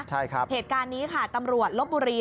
ใช่ครับเหตุการณ์นี้ค่ะตำรวจลบบุรี